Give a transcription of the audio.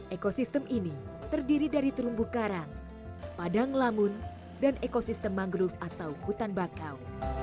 ekosistem ini terdiri dari terumbu karang padang lamun dan ekosistem mangrove atau hutan bakau